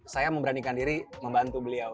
saya memberanikan diri membantu beliau